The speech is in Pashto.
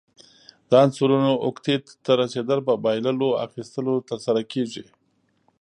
د عنصرونو اوکتیت ته رسیدل په بایللو، اخیستلو ترسره کیږي.